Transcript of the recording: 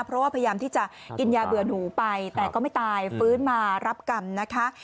เพราะว่าพยายามที่จะกินยาเบื่อนหูไปแต่ก็ไม่ตายฟื้นมารับกรรมนะคะ